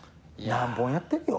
何本やってるよ？